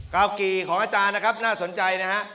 กี่ของอาจารย์นะครับน่าสนใจนะฮะ